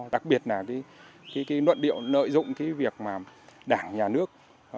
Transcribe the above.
đặc biệt là cái luận điệu nợi dụng cái việc mà đảng nhà nước